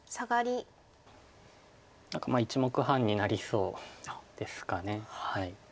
何か１目半になりそうですか。